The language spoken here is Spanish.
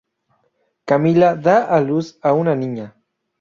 Camila da a luz a una niña.